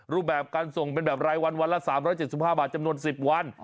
รูปแบบการส่งเป็นแบบรายวันวันละ๓๗๕บาทจำนวน๑๐วัน